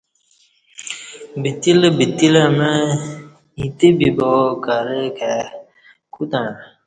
بتیلہ بتیلہ مع ایتہ بیبا کرہ کئے کوتݩع